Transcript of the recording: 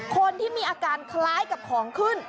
คนที่มีอาการคล้ายกับของขึ้น